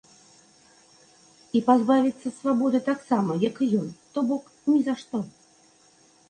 І пазбавіцца свабоды таксама, як і ён, то бок ні за што.